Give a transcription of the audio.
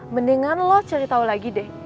mendingan lo cari tahu lagi deh